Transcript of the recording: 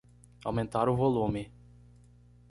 Aumentar o volume.